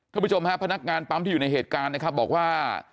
ผู้ชมฮะพนักงานปั๊มที่อยู่ในเหตุการณ์นะครับบอกว่า